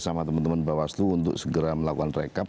sama teman teman bawaslu untuk segera melakukan rekap